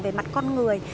về mặt con người